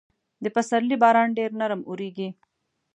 د پسرلي باران ډېر نرم اورېږي.